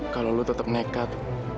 kalau lo tetep nekat